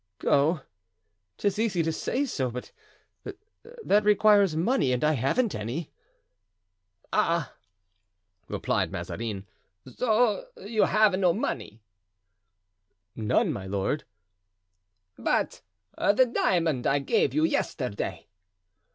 "Go! 'tis easy to say so, but that requires money, and I haven't any." "Ah!" replied Mazarin, "so you have no money?" "None, my lord." "But the diamond I gave you yesterday?"